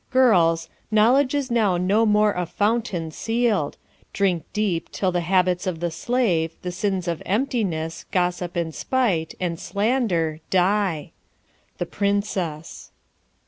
Girls, Knowledge is now no more a fountain sealed; Drink deep until the habits of the slave, The sins of emptiness, gossip and spite And slander, die. The Princess.